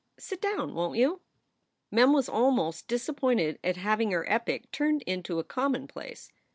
Sit down, won t you?" Mem was almost disappointed at having her epic turned into a commonplace.